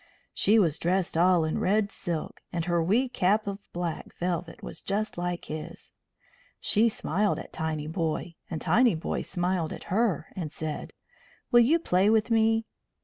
She was dressed all in red silk, and her wee cap of black velvet was just like his. She smiled at Tinyboy and Tinyboy smiled at her, and said: "Will you play with me?"